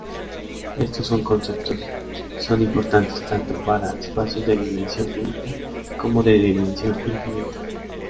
Estos conceptos son importantes tanto para espacios de dimensión finita como de dimensión infinita.